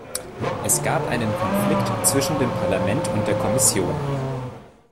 Es gab einen Konflikt zwischen dem Parlament und der Kommission.